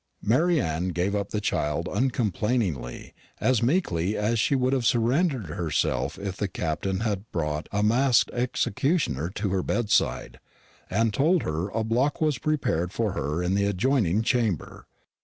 Mary Anne gave up the child uncomplainingly, as meekly as she would have surrendered herself if the Captain had brought a masked executioner to her bedside, and had told her a block was prepared for her in the adjoining chamber.